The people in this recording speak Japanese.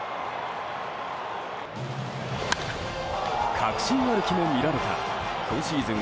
確信歩きも見られた今シーズン